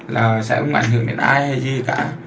là sẽ không ảnh hưởng đến ai là gì cả